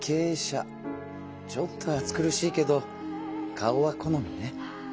ちょっと暑苦しいけど顔は好みね。